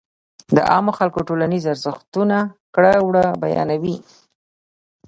د عامو خلکو ټولنيز ارزښتونه ،کړه وړه بيان وي.